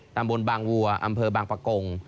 ตำบลบางวัวอำเภอบางปะกง